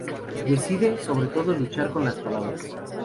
Decide, sobre todo, luchar con las palabras.